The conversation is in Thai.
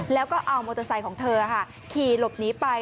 แล้วก็เอามอเตอร์ไซค์ของเธอขี่หลบหนีไป